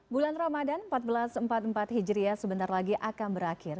bulan ramadan seribu empat ratus empat puluh empat hijriah sebentar lagi akan berakhir